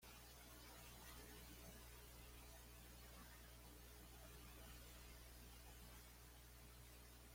En algunos sectores del camposanto se instalaron estacionamientos y estaciones de servicio.